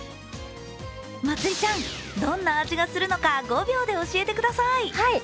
まつりちゃん、どんな味がするのか５秒で教えてください。